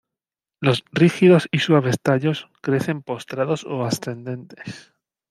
Los rígidos y suaves tallos crecen postrados o ascendentes.